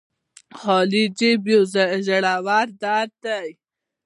خالي جب يو ژور درد دې